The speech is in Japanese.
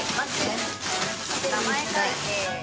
名前書いて。